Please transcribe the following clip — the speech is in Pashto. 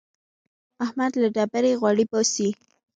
احمد له ډبرې غوړي باسي.